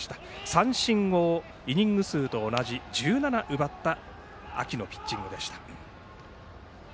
三振をイニング数と同じ１７奪った秋のピッチングでした。